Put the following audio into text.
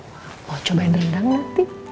mau cobain rendang nanti